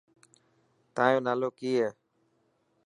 تايو نالو ڪي هي.